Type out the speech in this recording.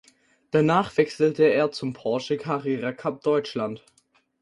Danach wechselte er zum Porsche Carrera Cup Deutschland.